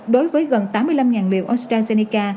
đối với gần tám mươi năm liều astrazeneca